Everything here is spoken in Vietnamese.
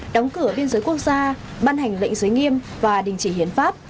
đóng cửa biên giới quốc gia ban hành lệnh giới nghiêm và đình chỉ hiến pháp